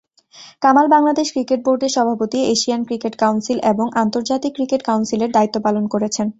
Kamal Bangladesh cricket বোর্ডের সভাপতি, Asian cricket council এবং আন্তর্জাতিক ক্রিকেট কাউন্সিলের দায়িত্ব পালন করেছেন।